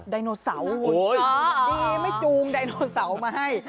ดันโนเสียวรุทธดีไม่จู๊มดันโนเสียวรุทธมาให้